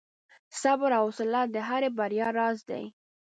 • صبر او حوصله د هرې بریا راز دی.